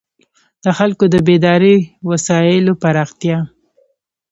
د خلکو د بېدارۍ وسایلو پراختیا.